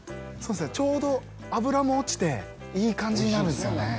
ちょうど脂も落ちていい感じになるんですよね。